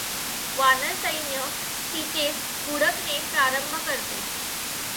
वानरसैन्य सीतॆस हुडकणे प्रारंभ करते.